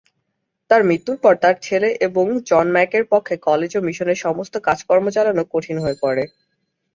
তার মৃত্যুর পর তার ছেলে এবং জন ম্যাকের পক্ষে কলেজ ও মিশনের সমস্ত কাজকর্ম চালানো কঠিন হয়ে পড়ে।